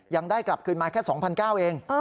ยังได้กลับคืนมาแค่๒๙๐๐เอง